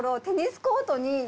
テニスコートに。